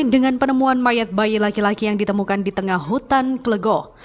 dengan penemuan mayat bayi laki laki yang ditemukan di tengah hutan klego